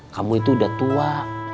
kamu itu udah tua